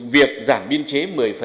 việc giảm biên chế một mươi